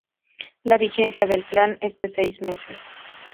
La vigencia del plan es de seis meses.